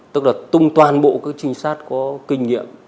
tức là tung toàn bộ các trinh sát có kinh nghiệm